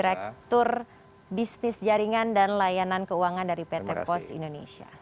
direktur bisnis jaringan dan layanan keuangan dari pt pos indonesia